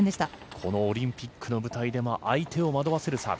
このオリンピックの舞台でも相手を惑わせるサーブ。